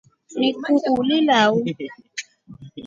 Ni kuuli lau.